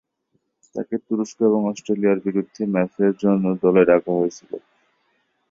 তাকে তুরস্ক এবং অস্ট্রিয়ার বিরুদ্ধে ম্যাচের জন্য দলে ডাকা হয়েছিল।